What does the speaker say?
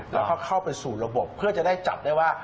แล้วก็เข้าไปสู่ระบบเพื่อจะได้จับได้ว่า